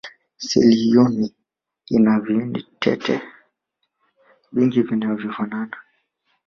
seli hiyo ina viini tete vingi vinavyofanana